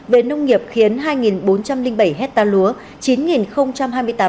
về nông nghiệp khiến hai bốn trăm linh bảy hecta lúa